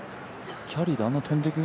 キャリーであんな飛んでく？